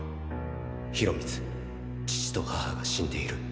景光父と母が死んでいる。